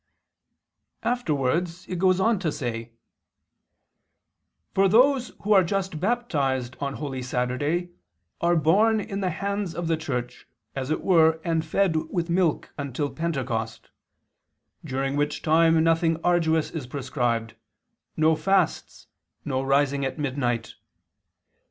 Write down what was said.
Afterwards it goes on to say: "For those who are just baptized on Holy Saturday are borne in the hands of the Church as it were and fed with milk until Pentecost, during which time nothing arduous is prescribed, no fasts, no rising at midnight.